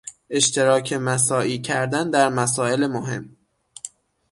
اشتراک مساعی کردن در مسائل مهم